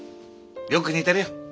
よく似てるよ。